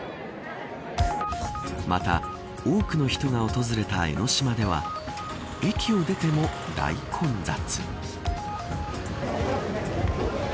また多くの人が訪れた江ノ島では駅を出ても大混雑。